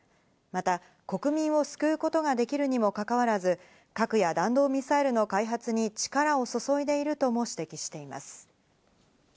また国民を救うことができるにもかかわらず、核や弾道ミサイルの開発に力を注いでいるとも指摘しています。